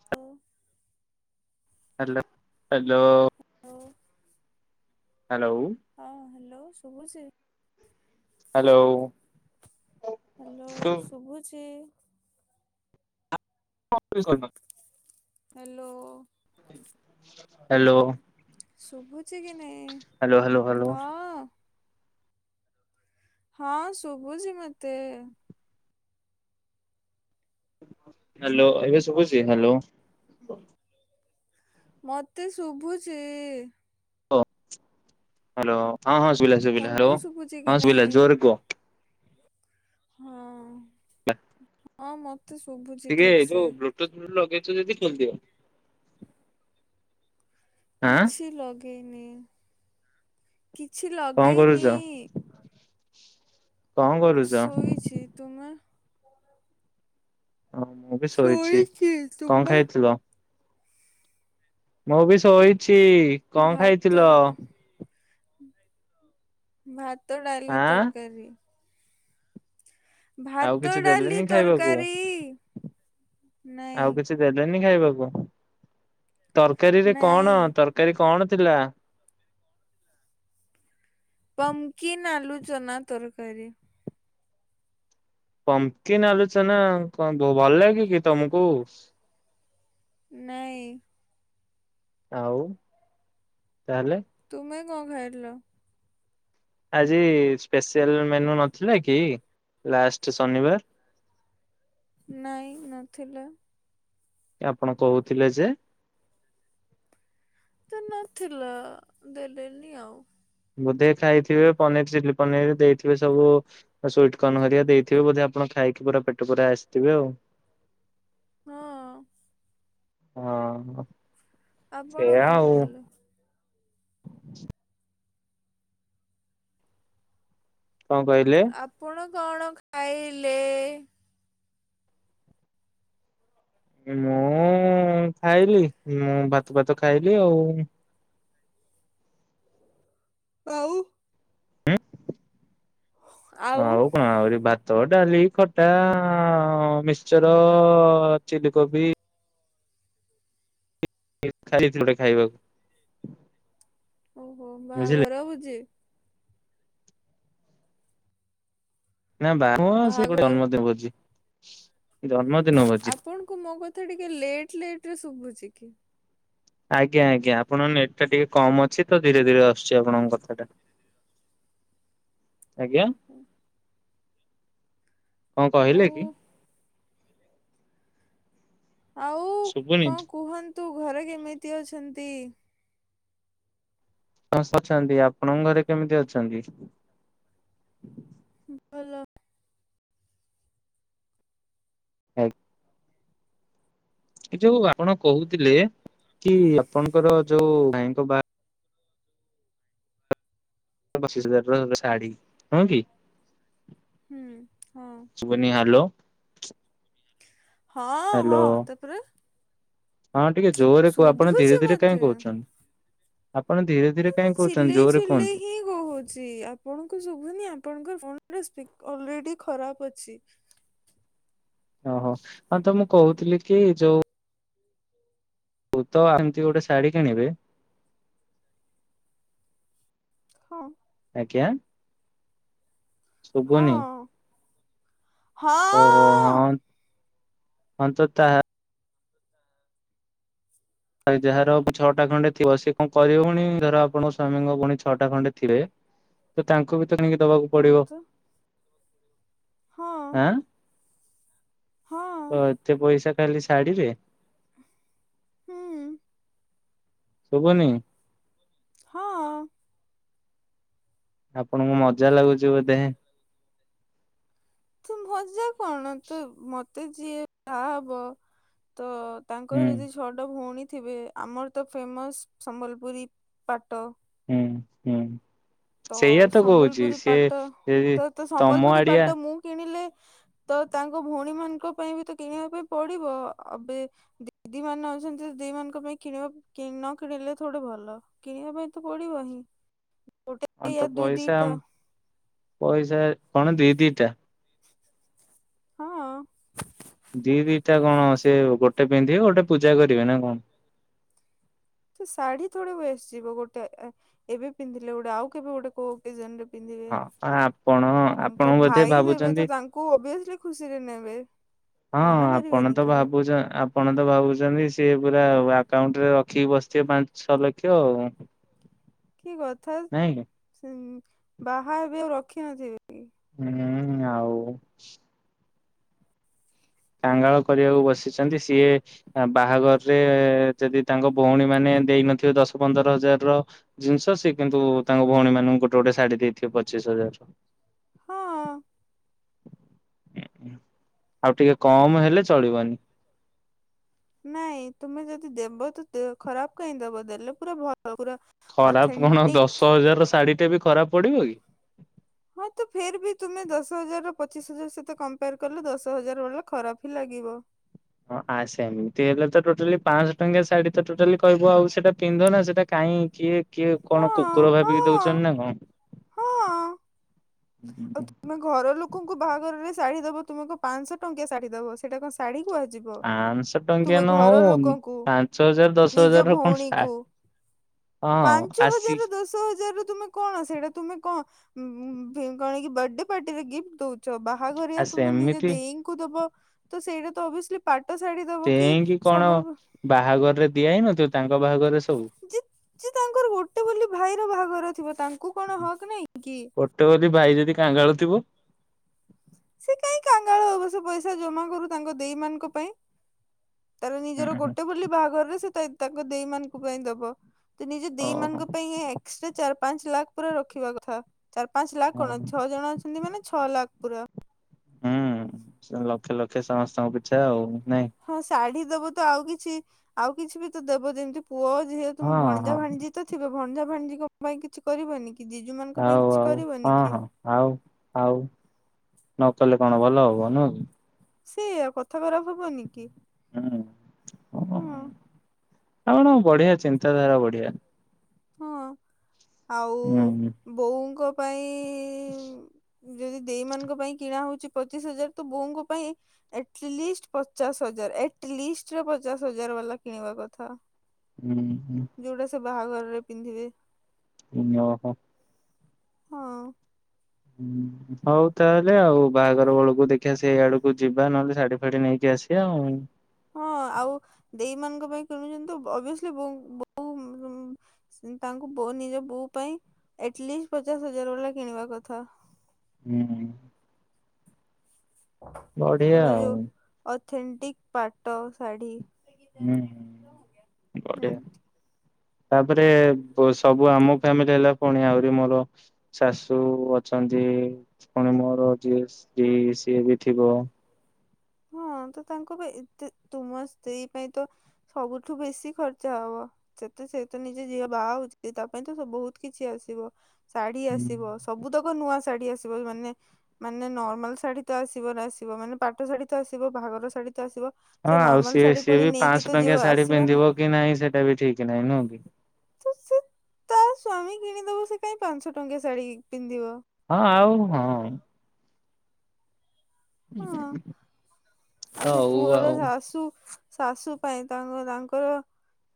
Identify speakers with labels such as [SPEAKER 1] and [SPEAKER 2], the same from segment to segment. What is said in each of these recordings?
[SPEAKER 1] [unintelligible]
[SPEAKER 2] ହେ hello
[SPEAKER 1] ଓୋ
[SPEAKER 2] hello
[SPEAKER 1] ହଁ hello ଶୁଭୁଛି?
[SPEAKER 2] ହ୍ୟାଲୋ
[SPEAKER 1] ହ୍ୟାଲୋ ଶୁଭୁଛି?
[SPEAKER 2] [unintelligible]
[SPEAKER 1] ହ୍ୟାଲୋ
[SPEAKER 2] ହ୍ୟାଲୋ
[SPEAKER 1] ଶୁଭୁଛି କି ନାଇଁ?
[SPEAKER 2] ହ୍ୟାଲୋ ହ୍ୟାଲୋ ହ୍ୟାଲୋ
[SPEAKER 1] ହଁ ହଁ ଶୁଭୁଛି ମତେ।
[SPEAKER 2] ହ୍ୟାଲୋ ଏବେ ଶୁବୁୁଛି ହ୍ୟାଲୋ
[SPEAKER 1] ମୋତେ ଶୁଭୁଛି।
[SPEAKER 2] ହ୍ୟାଲୋ ହଁ ହଁ ସୁିବିଲା ସୁବିଲା ହଲୋ
[SPEAKER 1] ତମକୁ ଶୁଭୁଛି କି
[SPEAKER 2] ହଁ ସୁିବିଲା
[SPEAKER 1] ନାଇଁ
[SPEAKER 2] ଜୋରରେ କୁହ।
[SPEAKER 1] ହଁ
[SPEAKER 2] ହ
[SPEAKER 1] ହଁ ମ ସବୁ
[SPEAKER 2] ଟିକେ ଏ ଯୋଉ ବ୍ଲୁଟୁଥ ବ୍ଲୁ ଲଗେଇଛ ଯଦି ଖୋଲିଦିଅ। ଆଁ
[SPEAKER 1] କିଛି ଲଗେଇନି କିଛି
[SPEAKER 2] କଣ କରୁଛ
[SPEAKER 1] ଲଗେଇନି।
[SPEAKER 2] [unintelligible] କରୁଛ ହଁ
[SPEAKER 1] ଶୋଇଛି ତୁମେ?
[SPEAKER 2] ହଁ ମୁଁ ବି ଶୋଇଛି କଣ ଖାଇଥିଲ? ମୁଁ ବି ଶୋଇଛି। କଣ ଖାଇଥିଲ
[SPEAKER 1] ଭାତ [inaudible] ଭାତ ଡାଲି
[SPEAKER 2] ଆଁ
[SPEAKER 1] ତରକାରୀ
[SPEAKER 2] ଆଉ
[SPEAKER 1] ଭାତ
[SPEAKER 2] କିଛି
[SPEAKER 1] ଡାଲି
[SPEAKER 2] ଦେଲେନି ଖାଇବାକୁ
[SPEAKER 1] ତରକାରୀ
[SPEAKER 2] ଆଉ କିଛି ଦେଲେନି ଖାଇବାକୁ। ତରକାରୀରେ କଣ ତର ତରକାରୀ କଣ ଥିଲା?
[SPEAKER 1] ପମ୍କିନ୍ ଆଳୁ ଚନା ତରକାରୀ।
[SPEAKER 2] ପମ୍କିନ୍ ଆଲୁ ଚନା କଣ ଭଲ ଲାଗ କି ତମକୁ?
[SPEAKER 1] ନାଇ।
[SPEAKER 2] ଆଉ ତାହାଲେ
[SPEAKER 1] ତୁମେ କଣ ଖାଇଥିଲ?
[SPEAKER 2] ଆଜି ସ୍ପେଶ୍ଆଲ ମେନୁ ନଥିଲା କି ଲାଷ୍ଟ ଶନିବାର?
[SPEAKER 1] ନାଇଁ ନଥିଲା।
[SPEAKER 2] ଆପଣ କହୁଥିଲେ ଯେ
[SPEAKER 1] ତ ନଥିଲା ଦେଲେନି ଆଉ।
[SPEAKER 2] ବୋଧେ ଖାଇଥିବେ ପନିର ଚିଲି ପନିର ଦେଇଥିବେ ସବୁ। ସୁଇଟ୍କକନ୍ ହେରିକ ଦେଇଥିବେ ବୋଧେ ଆପଣ ଖାଇକି ପୁରା ପେଟ ପୁରା ଆସିଥିବେ ଆଉ।
[SPEAKER 1] ହଁ।
[SPEAKER 2] ହଁ।
[SPEAKER 1] ଆପଣ
[SPEAKER 2] ସେଇଆ
[SPEAKER 1] କଣ
[SPEAKER 2] ଆଉ
[SPEAKER 1] ଖାଇଲେ?
[SPEAKER 2] କଣ କହିଲେ?
[SPEAKER 1] ଆପଣ କଣ ଖାଇଲେ?
[SPEAKER 2] ମୁଁ ଖାଇଲି ମୁଁ ଭାତ ପାତ ଖାଇଲି ଆଉ।
[SPEAKER 1] ଆଉ?
[SPEAKER 2] ଆଉ କଣ ଆ [inaudible] ତ ଡାଲି ଖଟା ମିକ୍ସର ଚିଲ କୋବି [unintelligible] ଗୋଟେ ଖାଇବାକୁ
[SPEAKER 1] ଓହୋ
[SPEAKER 2] ବୁଝିଲେ
[SPEAKER 1] ବାହାଘର ଭୁଜି।
[SPEAKER 2] ନା ବା ହଁ ସେ ଗୋଟେ
[SPEAKER 1] ବାହାଘର
[SPEAKER 2] ଜନ୍ମଦିନ ଭୋଜି ଜନ୍ମଦିନ ଭୋଜି।
[SPEAKER 1] ଆପଣଙ୍କୁ ମୋ କଥା ଟିକେ ଲେଟ୍ ଲେଟରେ ଶୁଭୁଛି କି?
[SPEAKER 2] ଆଜ୍ଞା ଆଜ୍ଞା ଆପଣଙ୍କ ନେଟ୍ ଟା ଟିକେ କମ୍ ଅଛି ତ ଧୀରେ ଧୀରେ ଆସୁଛି ଆପଣଙ୍କ କଥାଟା। ଆଜ୍ଞା
[SPEAKER 1] ଓହୋ
[SPEAKER 2] କଣ କହିଲେ
[SPEAKER 1] ଆଉ
[SPEAKER 2] କି?
[SPEAKER 1] ଆଉ
[SPEAKER 2] ଶୁଭୁନି
[SPEAKER 1] କଣ କୁହନ୍ତୁ ଘରେ କେମିତି ଅଛନ୍ତି?
[SPEAKER 2] ଅଛନ୍ତି ଆପଣଙ୍କ ଘରେ କେମିତି ଅଛନ୍ତି?
[SPEAKER 1] ଭଲ
[SPEAKER 2] [inaudible] ଯୋଉ ଆପଣ କହୁଥିଲେ କି ଆପଣଙ୍କର ଯୋଉ ଭାଇଙ୍କ ବାହା ପଚିଶ ହଜାର ଟଙ୍କାର ଶାଢ଼ୀ ହଁ କି?
[SPEAKER 1] ହୁଁ ହଁ।
[SPEAKER 2] ସୁବୁନି ହଲୋ।
[SPEAKER 1] ହଁ ହଁ
[SPEAKER 2] ହ୍ୟାଲୋ
[SPEAKER 1] ତାପରେ
[SPEAKER 2] ହଁ ଟିକେ ଜୋରରେ କୁହ ଆପଣ ଧୀରେ
[SPEAKER 1] ଶୁଭୁଛି
[SPEAKER 2] ଧୀରେ
[SPEAKER 1] ମତେ
[SPEAKER 2] କାଇହିଁ କହୁଛନ୍ତି ଆପଣ ଧୀରେ ରେ
[SPEAKER 1] ମୁଁ
[SPEAKER 2] କାଇଁ କହୁଛନ୍ତି
[SPEAKER 1] ଚିଲେଇ
[SPEAKER 2] ଜୋରରେ
[SPEAKER 1] ଚିଲେଇ
[SPEAKER 2] କୁହନ୍ତୁ
[SPEAKER 1] ହିଁ କହୁଛି ଆପଣଙ୍କୁ ଶୁଭୁନି ଆପଣଙ୍କ ଫୋନ୍ [unintelligible] ଅଲରେଡି ଖରାପ ଅଛି।
[SPEAKER 2] ଓହୋ ହଁ ତ ମୁଁ କହୁଥିଲି କି ଯୋଉ [unintelligible] ତ ଏମିତି ଗୋଟେ ଶାଢୀ କିଣିବେ
[SPEAKER 1] ହଁ,
[SPEAKER 2] ଆଜ୍ଞା ଶୁଭୁନି
[SPEAKER 1] ହଁ ହଁ [inaudible]
[SPEAKER 2] ଓହୋ ହଁ ହ ତ ତ [inaudible] ଯାହାର ଛଅଟା ଖଣ୍ଡେ ଥିବ ସେ କଣ କରିବ ପୁଣି। ଧର ଆପଣଙ୍କ ସ୍ୱାମୀଙ୍କ ପୁଣି ଛଅଟା ଖଣ୍ଡେ ଥିବେ। ତ ତାଙ୍କୁ ବି ତ କିଣିକି ଦବାକୁ
[SPEAKER 1] ହଁ
[SPEAKER 2] ପଡିବ।
[SPEAKER 1] ତ ହଁ,
[SPEAKER 2] ଆଁ ତ
[SPEAKER 1] ହଁ
[SPEAKER 2] ଏତେ ପଇସା ଖାଲି ସାଢଡିରେ,
[SPEAKER 1] ହୁଁ।
[SPEAKER 2] ଶୁଭନି,
[SPEAKER 1] ହଁ।
[SPEAKER 2] ଆପଣଙ୍କୁ ମଜା ଲାଗୁଛି ବୋଧେ,
[SPEAKER 1] ତୁ ମଜା କଣ ତ ମତେ ଯିଏ ବାହା ହବ ତ
[SPEAKER 2] ହୁଁ
[SPEAKER 1] ତାଙ୍କର ଯଦି ଛଅଟା ଭଉଣୀ ଥିବେ। ଆମର ତ ଫେମସ୍ ସମ୍ବଲପୁରୀ ପାଟ,
[SPEAKER 2] ହୁଁ ହୁଁ।
[SPEAKER 1] ତ
[SPEAKER 2] ସେଇଆ କହୁଛି
[SPEAKER 1] ସମ୍ବଲପୁରୀ
[SPEAKER 2] ସିଏ
[SPEAKER 1] ପାଟ
[SPEAKER 2] ଯଦି
[SPEAKER 1] ତ ତ
[SPEAKER 2] ତମ
[SPEAKER 1] ସମ୍ବଲପୁରୀ
[SPEAKER 2] ଆଡିଆ
[SPEAKER 1] ପାଟ ମୁଁ କିଣିଲେ, ତ ତାଙ୍କ ଭଉଣୀ ମାନଙ୍କ ପାଇଁ ବି ତ କିଣିବା ପାଇଁ ପଡିବ ଅବେ ଦିଦି ମାନେ ଅଛନ୍ତି। ଦିଦି ମାନଙ୍କ ପାଇଁ କିଣିବା ନ କିଣିଲେ ଥଡେ ଭଲ [inaudible] କିଣିବା ପାଇଁ ତ ପଡିବ ହିଁ। ଗୋଟେ
[SPEAKER 2] ହ ତ
[SPEAKER 1] ୟା ଦୁଇ
[SPEAKER 2] ପଇସା
[SPEAKER 1] ଦିଟା
[SPEAKER 2] ପଇସା କଣ ଦି ଦିଟା,
[SPEAKER 1] ହଁ,
[SPEAKER 2] ଦି ଦିଟା କଣ ସେଏ ଗୋଟେ ପିନ୍ଧିବେ ଗୋଟେ ପୂଜା କରିବେ ନା କଣ,
[SPEAKER 1] ତ ଶାଢୀ ଥୋଡ଼ି ଓଏସ ଯିବ ଗୋଟେ ଏବେ ପିନ୍ଧିଲେ ଗୋଟେ ଆଉ କେବେ ଗୋଟେ ଓକେଜନ୍ ରେ ପିନ୍ଧିବେ
[SPEAKER 2] ହଁ ଆପଣ ଆପଣ
[SPEAKER 1] ତାଙ୍କ
[SPEAKER 2] ବୋଧେ
[SPEAKER 1] ଭାଇ ଦେବେ
[SPEAKER 2] ଭାବୁଛନ୍ତି
[SPEAKER 1] ତ ତାଙ୍କୁ ୱବିଏସିଲ୍ଲୀ ଖୁସିରେ ନେବେ,
[SPEAKER 2] ହଁ
[SPEAKER 1] ମନା
[SPEAKER 2] ଆପଣ
[SPEAKER 1] କରିବେନି
[SPEAKER 2] ତ
[SPEAKER 1] କେହି
[SPEAKER 2] ଭାବୁଛନ୍ତି। କପଣ ତ ଭାବୁଛନ୍ତି। ସିଏ ପୁରା ଆକାଉଣ୍ଟରେ ରଖିକି ବସିଥିବେ ପାଞ୍ଚ ଛଅ ଲକ୍ଷ ଆଉ। [inaudible]
[SPEAKER 1] କି କଥା
[SPEAKER 2] ନାଇଁ
[SPEAKER 1] ବାହା ହେବି ଆଉ ରଖିନଥିବି।
[SPEAKER 2] ହୁଁ ଆଉ। କାଙ୍ଗାଳ କରିବାକୁ ବସିଛନ୍ତି। ସିଏ ଆ ବାହାଘରରେ ଯଦି ତାଙ୍କ ଭଉଣୀ ମାନେ ଦେଇନଥିବେ ଦଶ ପନ୍ଦର ହଜାର ର ଜିନିଷ ସିଏ କିନ୍ତୁ ତାଙ୍କ ଭଉଣୀ ମାନଙ୍କୁ ଗୋଟେ ଗୋଟେ ଶାଢୀ ଦେଇଥିବେ ପଚିଶ ହଜାର
[SPEAKER 1] ହଁ,
[SPEAKER 2] ଉ ଆଉ ଟିକେ କମ୍ ହେଲେ ଚଳିବନି।
[SPEAKER 1] ନାଇଁ ତୁମେ ଯଦି ଦେବ ତ ଖରାପ କାଇ ଦବ ଦେଲେ ପୁରା ଭଲ ପୁରା [inaudible]
[SPEAKER 2] ଖରାପ କଣ
[SPEAKER 1] ଅଥେଣ୍ଟିକ
[SPEAKER 2] ଦଶ ହଜାର ଶାଢ଼ୀ ଟା ବି ଖରାପ ପଡିବ କି।
[SPEAKER 1] ହଁତ ଫେର୍ ବି ତୁମେ ଦଶ ହଜାର ର ପଚିଶ ହଜାର ସହିତ କମ୍ପେୟାର କଲେ ଦଶ ହଜାର ବଲା ଖରାପ ହଁ ଲାଗିବ।
[SPEAKER 2] ହଁଆ ସେମିତି ହେଲେ ତ ଟୋଟାଲି ପାଞ୍ଚଶହ ଟଙ୍କଆ ଶାଢୀ ତ ଟୋଟାଲି କହିବ ଆଉ ସେଟା ପିନ୍ଧ ନା ସେଇଟା କାହିଁ କିଏ କିଏ କଣ
[SPEAKER 1] ହଁ
[SPEAKER 2] କୁକୁର
[SPEAKER 1] ହଁ
[SPEAKER 2] ଭାବିକି ଦଉଛନ୍ତି ନା କଣ।
[SPEAKER 1] ହଁ
[SPEAKER 2] ହୁଁ
[SPEAKER 1] ଆଉ
[SPEAKER 2] ହୁଁୁଁ। [inaudible]
[SPEAKER 1] ତୁମେ ଘର ଲୋକଙ୍କୁ ବାହାଘରରେ ଶାଢୀ ଦବ ତୁମେକୁ ପାଞ୍ଚଶହ ଟଙ୍କଆ ଶାଢୀି ଦବ ସେଇଟା କଣ ଶାଢୀ କୁହାଯିବ
[SPEAKER 2] ପାଞ୍ଚଶହ ଟଙ୍କିଆ
[SPEAKER 1] ତୁମେ
[SPEAKER 2] ନ
[SPEAKER 1] ଘର
[SPEAKER 2] ହଉ
[SPEAKER 1] ଲୋକଙ୍କୁ
[SPEAKER 2] ପାଞ୍ଚ ହଜାର ଦଶ
[SPEAKER 1] ନିଜ
[SPEAKER 2] ହଜାର ର କଣ [inaudible]
[SPEAKER 1] ଭଉଣୀକୁ
[SPEAKER 2] ହଁ
[SPEAKER 1] ପାଞ୍ଚ
[SPEAKER 2] ଆସି
[SPEAKER 1] ହଜାର ଦଶ ହଜାର ତୁମେ କଣ ସେଇଟା ତୁମେ କ କଣ କି ବଡେ ପାର୍ଟିରେ ଗିଫ୍ଟ ଦଉ ଉଚ।
[SPEAKER 2] ଆ
[SPEAKER 1] ବାହାଘରିଆ ତୁମେ ନିଜ
[SPEAKER 2] ସେମିତି
[SPEAKER 1] ଦେଇଙ୍କୁ ଦବ ତ ସେଇଟା ତ ଅବିଅସ୍ଲୀ ପାଟ ଶାଢୀ ଦବ କି
[SPEAKER 2] ତେଇଁକି କଣ
[SPEAKER 1] ସମ
[SPEAKER 2] ବାହାଘରରେ ଦିଆହଇନଥିବ ତାଙ୍କ ବାହାଘରରେ ସବୁ
[SPEAKER 1] ଯେ ତାଙ୍କର ଗୋଟେ ବୋଲି ଭାଇର ବାହାଘର ଥିବ ତାଙ୍କୁ କଣ ହକ ନାଇଁ କି
[SPEAKER 2] ତୋର ଭାଇ ଯଦି କାଙ୍ଗାଳଥିବ?
[SPEAKER 1] ସେ କାଇ କାଙ୍ଗାଳ ହବ। ସେ ପଇସା ଜମା କରୁ ତାଙ୍କ ଦେଇ ମାନଙ୍କ ପାଇଁ। ତାର
[SPEAKER 2] ହୁଁ
[SPEAKER 1] ନିଜର
[SPEAKER 2] ହୁଁ
[SPEAKER 1] ଗୋଟେ ବୋଲି ବାହାଘରରେ ସେ ତାଙ୍କ ଦେଇମାନଙ୍କ ପାଇଁ ଦବ। ତ ନିଜ ଦେଇ
[SPEAKER 2] ଓହୋ
[SPEAKER 1] ମାନଙ୍କ ପାଇଁ ଏକ୍ସଟ୍ରା ଚାରି ପାଞ୍ଚ ଲାଖ ପୁରା ରଖିବା କଥା। ଚାରି ପାଞ୍ଚ ଲାଖ
[SPEAKER 2] ହଁ
[SPEAKER 1] କଣ
[SPEAKER 2] ହୁଁ
[SPEAKER 1] ଛଅ ଜଣ ଅଛନ୍ତି ମାନେ ଛଅ ଲାଖ ପୁରା।
[SPEAKER 2] ହୁଁ ଲକ୍ଷେ ଲକ୍ଷେ ସମସ୍ତଙ୍କ ପିଛା ଆଉ ନାଇଁ।
[SPEAKER 1] ହଁ ଶାଢୀ ଦବ ତ ଆଉ କିଛି ଆଉ କିଛି ବି ତ ଦେବ ଯେମିତି ପୁଅ, ଝିଅ ତମ
[SPEAKER 2] ହଁ
[SPEAKER 1] ଭଣଜା,
[SPEAKER 2] ହଁ
[SPEAKER 1] ଭାଣିଜି ତ ଥିବ ଭଣଜା, ଭାଣିଜିଙ୍କ ପାଇଁ କିଛି କରିବନି କି। ଜିଜୁ ମାନଙ୍କ ପାଇଁ
[SPEAKER 2] ଆଉ
[SPEAKER 1] କିଛି
[SPEAKER 2] ଆଉ
[SPEAKER 1] କରିବନି
[SPEAKER 2] ହଁ
[SPEAKER 1] କି।
[SPEAKER 2] ହଁ ଆଉ ଆଉ ନ କଲେ କଣ ଭଲ ହବ ନୁହ କି?
[SPEAKER 1] ସେ କଥା ଖରାପ ହବନି କି ହଁ।
[SPEAKER 2] ଆପଣଙ୍କ ବଢିଆ ଚିନ୍ତାଧାରା ବଢିଆ।
[SPEAKER 1] ହଁ ଆଉ ବୋଉଙ୍କ ପାଇଁ
[SPEAKER 2] ବ
[SPEAKER 1] ଯଦି ଦେଇ ମାନଙ୍କ ପାଇଁ କିଣା ହଉଛି ପଚିଶ ହଜାର। ତ ବୋଉଙ୍କ ପାଇଁ ଆଟଲିଷ୍ଟ ପଚାଶ ହଜାର ଆଟଲିଷ୍ଟ ରେ ପଚାଶ ହଜାର ବାଲା କିଣିବା କଥା।
[SPEAKER 2] ହୁଁ, ହୁଁ।
[SPEAKER 1] ଯୋଉଟା ସେ ବାହାଘରରେ ପିନ୍ଧିବେ।
[SPEAKER 2] ଓହୋ।
[SPEAKER 1] ହଁ।
[SPEAKER 2] ହୁଁ। ହଉ ତାହେଲେ ଆଉ ବାହାଘର ବେଳକୁ ଦେଖିବା ସେଇ ଆଡକୁ ଯିବା ନହେଲେ ଶାଢୀ ଫାଢି ନେଇକି ଆସିବା ଆଉ।
[SPEAKER 1] ହଁ ଆଉ ଦେଇ ମାନଙ୍କ ପାଇଁ କିଣୁଛନ୍ତି ତ ଅଭିସଲି ବୋଉ ବୋଉ ତାଙ୍କୁ ନିଜ ବୋଉ ପାଇଁ ଆଟଲିଷ୍ଟ ପଚାଶ ହଜାର ବାଲା କିଣିବା କଥା।
[SPEAKER 2] ହୁଁ, ହୁଁ। ବଢିଆ
[SPEAKER 1] ପୁରା
[SPEAKER 2] ଆଉ
[SPEAKER 1] ଯୋଉ ଅଥେଣ୍ଟିକ ପାଟ ଶାଢୀ
[SPEAKER 2] ହୁଁ, ବଢିଆ।
[SPEAKER 1] ନାଇଁ
[SPEAKER 2] ତାପରେ ସବୁ ଆମ ଫ୍ୟାମିଲି ହେଲା। ପୁଣି ଆହୁରି ମୋର ଶାଶୁ ଅଛନ୍ତି। ପୁଣି ମୋର ଯିଏ ସ୍ତ୍ରୀ ସିଏ ବି ଥିବ।
[SPEAKER 1] ହଁ ତ ତାଙ୍କ ପାଇଁ ଏତେ ତୁମ ସ୍ତ୍ରୀ ପାଇଁ ତ ସବୁଠୁ ବେଶି ଖର୍ଚ୍ଚ ହବ। ସେତେ ସେ ତ ନିଜ ଝିଅ ବାହା ହଉଛି ତା ପାଇଁ ତ ବହୁତ କିଛି ଆସିବ। ଶାଢୀ
[SPEAKER 2] ହୁଁ।
[SPEAKER 1] ଆସିବ, ସବୁ ତକ ନୂଆ ଶାଢୀ ଆସିବ। ମାନେ ମାନେ ନର୍ମାଲ ଶାଢୀ ତ ଆସିବ ନା ଆସିବ ମାନେ ପାଟ ଶାଢୀ ତ ଆସିବ, ବାହାଘର ଶାଢୀ ତ ଆସିବ।
[SPEAKER 2] ହଁ
[SPEAKER 1] ସେ
[SPEAKER 2] ଆଉ
[SPEAKER 1] ନର୍ମାଲ
[SPEAKER 2] ସିଏ
[SPEAKER 1] ଶାଢୀ
[SPEAKER 2] ସିଏ
[SPEAKER 1] ପୁଣି
[SPEAKER 2] ବି
[SPEAKER 1] ନେଇକି
[SPEAKER 2] ପାଆଁସ
[SPEAKER 1] ତ ଯିବ
[SPEAKER 2] ଟଙ୍କିଆ ଶାଢୀ
[SPEAKER 1] ଆସିବ ନା
[SPEAKER 2] ପିନ୍ଧିବ କି ନାହିଁ ସେଇଟା ବି ଠିକ ନାହିଁ ନୁହଁ କି।
[SPEAKER 1] ତ ସେ ତା ସ୍ଵାମୀ କିଣିଦବ ସେ କାଇଁ ପାଆଁଶ ଟଙ୍କିଆ ଶାଢୀ ପିନ୍ଧିବ।
[SPEAKER 2] ହଁ ଆଉ ହଁ।
[SPEAKER 1] ହଁ। ଆ ସେ
[SPEAKER 2] ହଉ
[SPEAKER 1] ପୁଅର
[SPEAKER 2] ଆଉ।
[SPEAKER 1] ଶାଶୁ ଶାଶୁ ପାଇଁ ତାଙ୍କ ତାଙ୍କର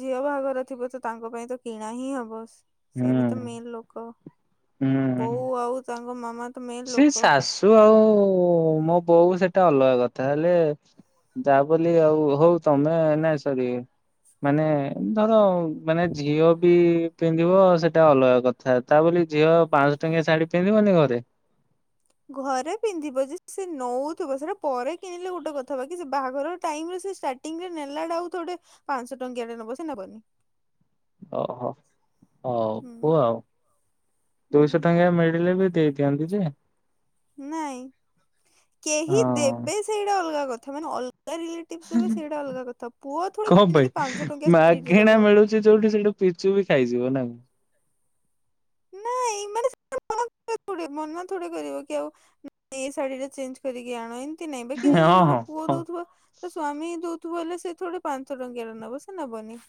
[SPEAKER 1] ଝିଅ ବାହାଘର ଥିବ ତ ତାଙ୍କ ପାଇଁ ତ କିଣା ହିଁ ହବ। ସେ
[SPEAKER 2] ହୁଁ
[SPEAKER 1] ବି ତ ମେନ୍ ଲୋକ।
[SPEAKER 2] ହୁଁ।
[SPEAKER 1] ବୋଉ ଆଉ ତାଙ୍କ ମାମା ତ ମେନ୍
[SPEAKER 2] ସେ
[SPEAKER 1] ଲୋକ।
[SPEAKER 2] ଶାଶୁ ଆଉ ମୋ ବୋଉ, ସେଟା ଅଲଗା କଥା, ହେଲେ ତା ବୋଲି ଆଉ ହଉ ତମେ, ନାଇଁ, ସରି, ମାନେ ଧର ମାନେ ଝିଅ ବି ପିନ୍ଧିବ ସେଟା ଅଲଗା କଥା, ତା ବୋଲି ଝିଅ ପାଆଁଶ ଟଙ୍କିଆ ଶାଢୀ ପିନ୍ଧିବନି ଘରେ।
[SPEAKER 1] ଘରେ ପିନ୍ଧିବ ଯେ, ସେ ନଉଥିବ, ସେଟା ପରେ କିଣିଲେ ଗୋଟେ କଥା, ବାକି ସେ ବାହାଘର ଟାଇମ୍ ରେ ସେ ଶାଢ଼ୀ ଷ୍ଟାଟିଙ୍ଗ୍ ନେଲାଟା ଆଉ ଥୋଡେ, ପାଆଁଶ ଟଙ୍କିଆ ଟା ନବ, ସେ ନବନି।
[SPEAKER 2] ଅ, ହ, ହଉ,
[SPEAKER 1] ହୁଁ
[SPEAKER 2] କୁହ ଆଉ। ଦୁଇଶ
[SPEAKER 1] ହୁଁ
[SPEAKER 2] ଟଙ୍କିଆ ମିଳିଲେ ବି ଦେଇଦିଅନ୍ତି ଯେ।
[SPEAKER 1] ନାଇଁ। କେହି
[SPEAKER 2] ହଁ
[SPEAKER 1] ଦେବେ ସେଇଟା ଅଲଗା କଥା, ମାନେଅଲଗା ରିଲେଟି ଟିଭ୍ସ ଦେବେ, ସେଇଟା ଅଲଗା କଥା। ପୁଅ ଥୋଡ଼ି କିଣିକି ପାଆଁଶ ଟଙ୍କିଆ ଶାଢୀଟେ ଦବ।
[SPEAKER 2] ଯେ ଯୋଉଠି ସେଉଠୁ ପିଚୁ ବି ଖାଇଯିବ ନା।
[SPEAKER 1] ନାଇଁ, ମାନେ [unintelligible] [unintelligible] ମନା ଥୋଡ଼ି କରିବ କି ଆଉ ଏଇ ଶାଢୀ ଟା ଚେଞ୍ଜ କରିକି ଆଣ। କି ନାଇଁ, ବାକି ଯଦି
[SPEAKER 2] ହଁ
[SPEAKER 1] ଯୋଉଟା
[SPEAKER 2] ହଁ
[SPEAKER 1] ପୁଅ
[SPEAKER 2] ହଁ
[SPEAKER 1] ଦଉଥିବ ତା ସ୍ଵାମୀ ଦଉଥିବ, ହେଲେ ସେ ଥୋଡୀ ପାଆଁଶ ଟଙ୍କିଆ ଟେ ନବ, ସେ ନବନି।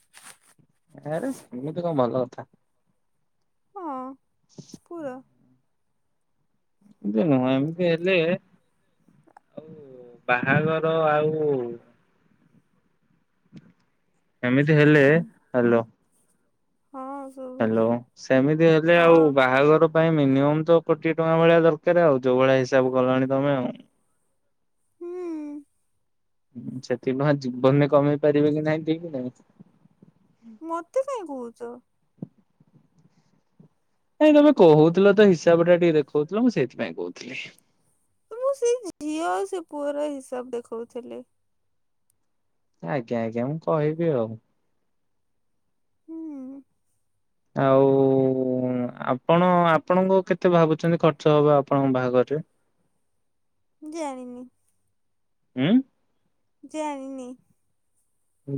[SPEAKER 2] ଆରେ ସେମିତି କଣ ଭଲ କଥା।
[SPEAKER 1] ହଁ, ପୁରା।
[SPEAKER 2] [unintelligible] ଏମତି ହେଲେ ବାହାଘର ଆଉ ଏମିତି ହେଲେ, ହ୍ୟାଲୋ।
[SPEAKER 1] ହଁ
[SPEAKER 2] ହ୍ୟାଲୋ,
[SPEAKER 1] ଶୁଭୁଛି
[SPEAKER 2] ସେମିତି ହେଲେ ଆଉ
[SPEAKER 1] ହଁ।
[SPEAKER 2] ବାହାଘର ପାଇଁ ମିନିମମ୍ ତ କୋଟିଏ ଟଙ୍କା ଭଳିଆ ଦରକାର ଆଉ, ଯୋଉ ଭଳିଆ ହିସାବ କଲଣି ତମେ ଆଉ।
[SPEAKER 1] ହୁଁ।
[SPEAKER 2] ସେତିକି ଟଙ୍କା ଜୀବନରେ କମେଇ ପାରିବି କି ନାହିଁ, ଠିକ୍ ନାଇଁ।
[SPEAKER 1] ମତେ କାଇଁ କୁହୁଚ।
[SPEAKER 2] ନାଇଁ, ତମେ କହୁଥିଲ ତ, ହିସାବ ଟା ଟିକେ ଦେଖୋଉଥିଲ, ମୁଁ ସେଇଥିପାଇଁ କହୁଥିଲି।
[SPEAKER 1] ମୁଁ ସେଇ ଝିଅ ଆଉ ସେ ପୁଅର ହିସାବ ଦେଖୋଉଥିଲି।
[SPEAKER 2] ଆଜ୍ଞା, ଆଜ୍ଞା, ମୁଁ କହିବି ଆଉ।
[SPEAKER 1] ହୁଁ।
[SPEAKER 2] ଆଉ ହୁଁ, ଆପଣ, ଆପଣଙ୍କୁ କେତେ ଭାବୁଛନ୍ତି ଖର୍ଚ୍ଚ ହବ, ଆପଣଙ୍କ ବାହାଘରରେ?
[SPEAKER 1] ଜାଣିନି।
[SPEAKER 2] ଉଁ।
[SPEAKER 1] ଜାଣିିନି।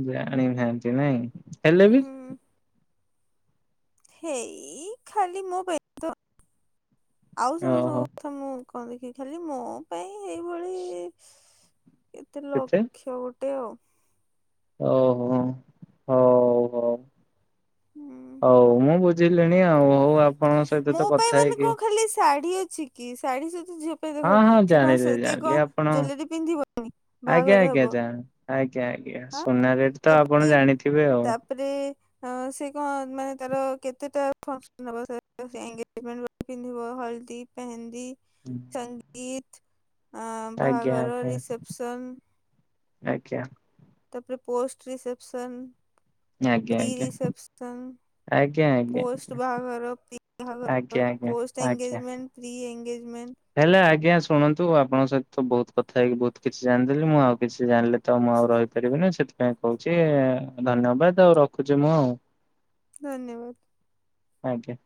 [SPEAKER 2] ଜାଣିନାହାନ୍ତି ନାଇଁ। ହେଲେ ବି।
[SPEAKER 1] ହୁଁ ହେଇ ଖାଲି ମୋ। [unintelligible] ଆଉ
[SPEAKER 2] ଓହୋ
[SPEAKER 1] ସମସ୍ତଙ୍କ ତ ମୁଁ କଣ ଦେଖିବି, ଖାଲି ମୋ ପାଇଁ ଏଇଭଳି କେତେ ଲକ୍ଷ ଗୋଟେ ଆଉ?
[SPEAKER 2] ଓହୋ! ହଉ, ହଉ,
[SPEAKER 1] ହୁଁ।
[SPEAKER 2] ହଉ ମୁଁ ବୁଝ ବୁଝିଲିଣି ଆଉ, ହଉ, ଆପଣଙ୍କ ସହିତ
[SPEAKER 1] ମୋ
[SPEAKER 2] ତ
[SPEAKER 1] ପାଇଁ
[SPEAKER 2] କଥା
[SPEAKER 1] ମାନେ
[SPEAKER 2] ହେଇକି
[SPEAKER 1] କଣ ଖାଲି ଶାଢ଼ୀ ଅଛି। କି ଶାଢ଼ୀ ସହିତ ଝିଅ
[SPEAKER 2] ହଁ
[SPEAKER 1] ଦେଖ,
[SPEAKER 2] ହଁ
[SPEAKER 1] ସେ କଣ,
[SPEAKER 2] ଜାଣିଲି
[SPEAKER 1] ସେ କିଏ,
[SPEAKER 2] ଜାଣିଲି
[SPEAKER 1] କଣ
[SPEAKER 2] ଆପଣ
[SPEAKER 1] ଜୁଏଲେରୀ ପିନ୍ଧିବନି?
[SPEAKER 2] ଆଜ୍ଞା
[SPEAKER 1] ବାହାଘର
[SPEAKER 2] ଆଜ୍ଞା
[SPEAKER 1] ହେବ।
[SPEAKER 2] ଜା ଆଜ୍ଞା ଆଜ୍ଞା। ସୁନା ରେଟ୍ ତ ଆପଣ ଜାଣିଥିବେ ଆଉ।
[SPEAKER 1] ତାରେ ସେ କଣ ମାନେ ତାର କେତେଟା [inaudible] ପିନ୍ଧିବ ହଳଦୀ ପେହେନ୍ଦି।
[SPEAKER 2] ହୁଁ।
[SPEAKER 1] ସଙ୍ଗୀତ, ଆ
[SPEAKER 2] ଆଜ୍ଞା
[SPEAKER 1] ବାହାଘର
[SPEAKER 2] ଆଜ୍ଞା
[SPEAKER 1] ରିସେପସନ୍।
[SPEAKER 2] ଆଜ୍ଞା।
[SPEAKER 1] ତାପରେ ପୋଷ୍ଟ ରିସେପସନ୍,
[SPEAKER 2] ଆଜ୍ଞା ଆଜ୍ଞା
[SPEAKER 1] ପ୍ରି ରିସେପସନ୍
[SPEAKER 2] ଆଜ୍ଞା ଆଜ୍ଞା
[SPEAKER 1] ପୋଷ୍ଟ ବାହାଘର ପି [unintelligible] ବାହାଘର
[SPEAKER 2] ଆଜ୍ଞା ଆଜ୍ଞା
[SPEAKER 1] ପୋଷ୍ଟ
[SPEAKER 2] ଆଜ୍ଞା।
[SPEAKER 1] ଏନ୍ଗେଜମେଣ୍ଟ। Pre engagement.
[SPEAKER 2] ହେଲେ ଆଜ୍ଞା ଶୁଣନ୍ତୁ ଆପଣଙ୍କ ସହିତ ବହୁତ କଥା ହେଇକି ବହୁତ କିଛି ଜାଣିଦେଲି ମୁଁ ଆଉ କିଛି ଜାଣିଲେ ତ ମୁଁ ଆଉ ରହିପାରିବିନି ସେଥିପାଇଁ କହୁଛି ଧନ୍ୟବାଦ ଆଉ ରଖୁଛି ମୁଁ ଆଉ।
[SPEAKER 1] ଧନ୍ୟବାଦ।
[SPEAKER 2] ଆଜ୍ଞା।